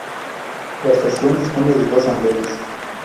La estación dispone de dos andenes.